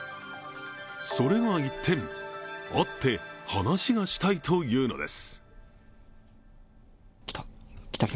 それが一転会って話がしたいというのです。